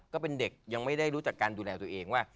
ก็เป็นเด็กยังไม่ได้รู้จักการดูแลตัวเองว่า